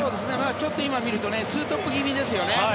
ちょっと今見ると２トップ気味ですよね。